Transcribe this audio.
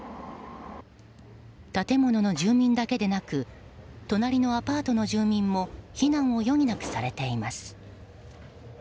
建物の住民だけでなく隣のアパートの住民も避難を余儀なくされています。